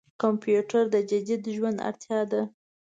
کمپيوټر د جديد ژوند اړتياده.